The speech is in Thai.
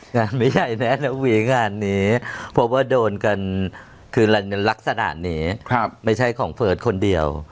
งานไม่ใช่แน่นะวีงานนี้เพราะว่าโดนกันคือลักษณะนี้ไม่ใช่ของเฟิร์สคนเดียว